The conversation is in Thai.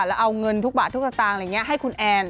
แล้วเอาเงินทุกบาททุกสตางค์อะไรอย่างนี้ให้คุณแอน